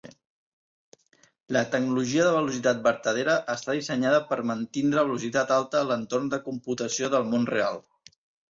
La Tecnologia de Velocitat Vertadera està dissenyada per mantindre velocitat alta a l'entorn de computació del món real.